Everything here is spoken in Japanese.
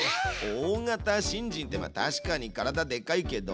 大型新人ってまあたしかに体でかいけど。